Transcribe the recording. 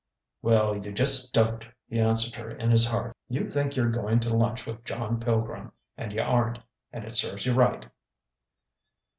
("Well you just don't!" he answered her in his heart. "You think you're going to lunch with John Pilgrim. And you aren't. And it serves you right!")